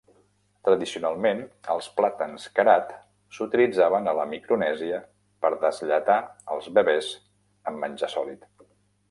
Tradicionalment, els plàtans Karat s'utilitzaven a la Micronèsia per deslletar els bebès amb menjar sòlid.